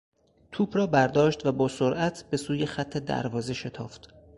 توپ را برداشت و با سرعت به سوی خط دروازه شتافت.